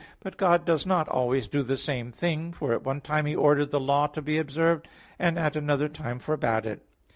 But God does not always do the same thing, for at one time He ordered the law to be observed, and at another time forbade it.